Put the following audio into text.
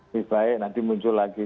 lebih baik nanti muncul lagi